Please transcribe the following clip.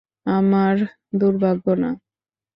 আমার দূর্ভাগ্য না।